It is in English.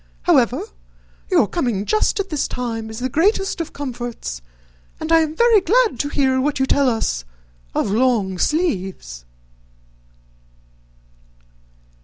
However, your coming just at this time is the greatest of comforts, and I am very glad to hear what you tell us of long sleeves."